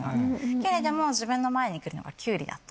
けれども自分の前に来るのがきゅうりだった。